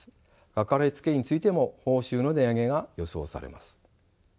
かかりつけ医についても報酬の値上げが予想されます。